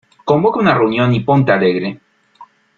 Convoca una reunión y ponte alegre.